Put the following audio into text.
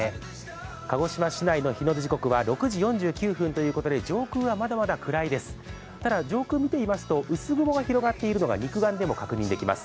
鹿児島市内の日の出時刻は６時４９分ということでただ、上空を見てみますと薄雲が広がっているのが肉眼でも確認できます。